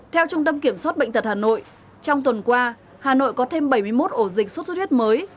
theo trung tâm kiểm soát bệnh tật hà nội trong tuần qua hà nội có thêm bảy mươi một ổ dịch sốt xuất huyết mới